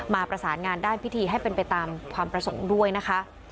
ประสานงานด้านพิธีให้เป็นไปตามความประสงค์ด้วยนะคะ